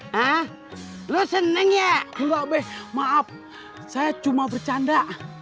hai ah lu seneng ya enggak bes maaf saya cuma bercanda